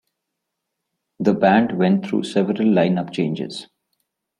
The band went through several lineup changes.